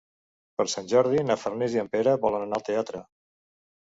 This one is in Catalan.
Per Sant Jordi na Farners i en Pere volen anar al teatre.